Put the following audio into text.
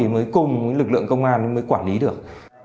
mới cùng lực lượng công an quản lý được